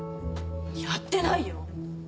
やってないよ！